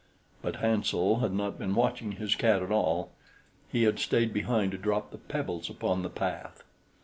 But Hansel had not been watching his cat at all; he had stayed behind to drop the pebbles upon the path.